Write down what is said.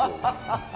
ハハハハ！